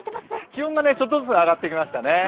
気温がちょっとずつ上がってきましたね。